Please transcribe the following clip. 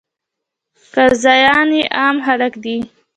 قاضیان یې عام خلک دي.